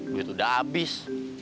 duit udah abis